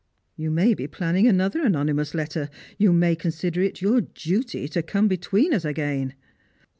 You may be planning another anonymous letter. You may consider it your duty to come between us again."